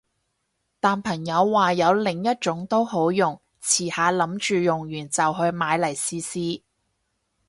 但朋友話有另一種都好用，遲下諗住用完就去買嚟試試